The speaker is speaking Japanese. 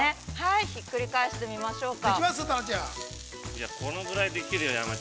ひっくり返してみましょうか。